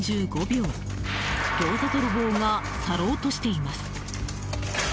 ギョーザ泥棒が去ろうとしています。